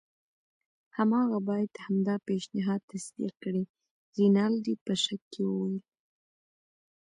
هماغه باید همدا پیشنهاد تصدیق کړي. رینالډي په شک وویل.